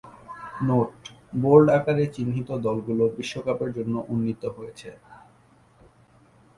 Note: bold আকারে চিহ্নিত দলগুলো বিশ্বকাপের জন্য উন্নীত হয়েছে।